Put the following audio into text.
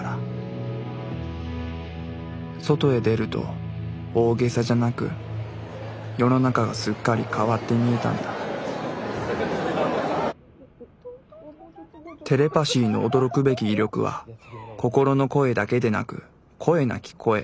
外へ出ると大げさじゃなく世の中がすっかり変わって見えたんだテレパ椎の驚くべき威力は心の声だけでなく声なき声